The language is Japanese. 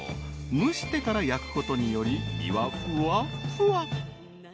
［蒸してから焼くことにより身はふわふわ］